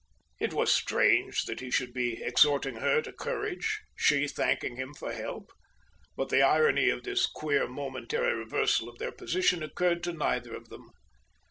It was strange that he should be exhorting her to courage, she thanking him for help; but the irony of this queer momentary reversal of their position occurred to neither of them.